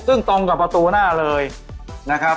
ซึ่งตรงกับประตูหน้าเลยนะครับ